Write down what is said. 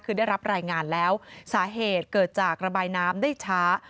คือได้รับรายงานแล้วสาเหตุเกิดจากระบายน้ำได้ช้า